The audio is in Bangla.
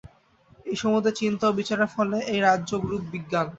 এই সমুদয় চিন্তা ও বিচারের ফল এই রাজযোগ-রূপ বিজ্ঞান।